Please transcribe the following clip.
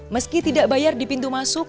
meski tidak bayar di pintu masuk